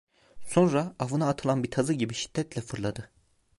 Sonra avına atılan bir tazı gibi şiddetle fırladı.